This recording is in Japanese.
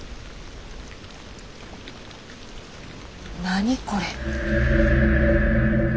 何これ？